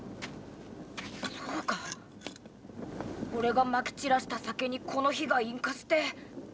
そうか俺が撒き散らした酒にこの火が引火して。